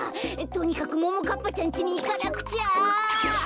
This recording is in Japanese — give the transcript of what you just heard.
とにかくももかっぱちゃんちにいかなくちゃ。